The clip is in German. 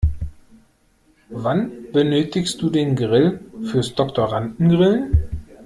Wann benötigst du den Grill fürs Doktorandengrillen?